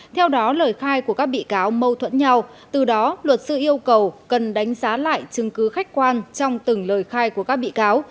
theo đó lời khai của các bị cáo mâu thuẫn nhau từ đó luật sư yêu cầu cần đánh giá lại chứng cứ khách quan trong từng lời khai của các bị cáo